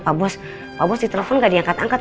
pak bos di telpon gak diangkat angkat